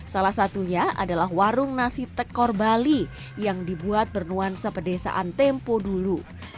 salah satunya adalah warung nasi tekor bali yang dibuat bernuansa pedesaan tempo dulu